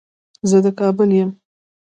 زه د کابل يم